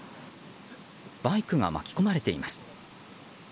バイクが巻き込まれています。